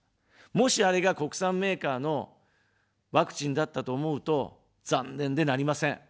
もし、あれが国産メーカーのワクチンだったと思うと残念でなりません。